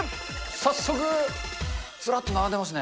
早速ずらっと並んでますね。